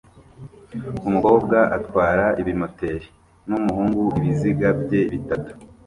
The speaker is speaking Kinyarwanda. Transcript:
Umukobwa atwara ibimoteri n'umuhungu ibiziga bye bitatu